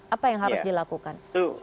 apa yang harus dilakukan